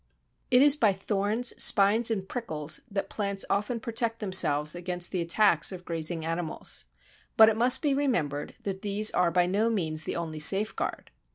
It is by thorns, spines, and prickles that plants often protect themselves against the attacks of grazing animals. But it must be remembered that these are by no means the only safeguard.